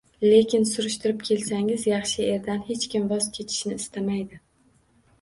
Lekin surishtirib kelsangiz, yaxshi erdan hech kim voz kechishni istamaydi